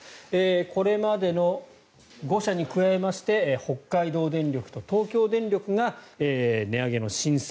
これまでの５社に加えまして北海道電力と東京電力が値上げの申請。